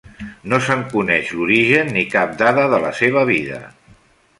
No se'n coneix l'origen ni cap dada de la seva vida.